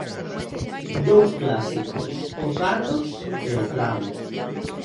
Dous clásicos, o Carlos e o Clavi.